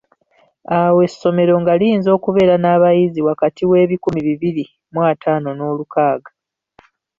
Awo essomero nga liyinza okubeera n’abayizi wakati w'ebikumi bibiri mu ataano n'olukaaga.